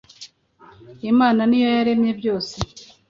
imana niyo yaremye byose